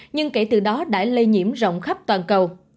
nhưng kể từ đó đã lây nhiễm rộng khắp toàn cầu